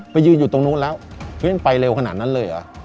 ยืนอยู่ตรงนู้นแล้วมันไปเร็วขนาดนั้นเลยเหรอ